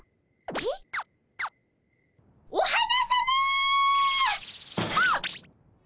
おっお花さま！